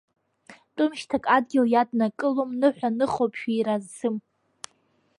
Тәымшьҭак адгьыл иаднакылом, ныҳәа ныхоуп шәира зцым.